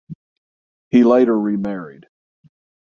He later remarried.